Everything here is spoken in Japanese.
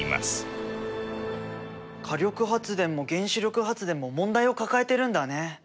火力発電も原子力発電も問題を抱えてるんだね。